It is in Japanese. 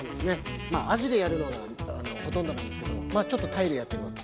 あじでやるのがほとんどなんですけどまあちょっと鯛でやってみようと。